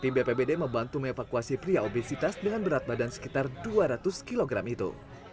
tim bpbd membantu mengevakuasi pria obesitas dengan berat badan sekitar dua ratus kg itu